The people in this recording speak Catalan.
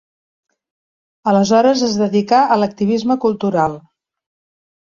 Aleshores es dedicà a l'activisme cultural.